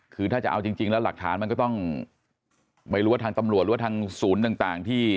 คือถ้าจะเอาจริงแล้วหารจริงมันก็ต้องไปรู้ว่ากับทางตำรวจทำสูญแล้วที่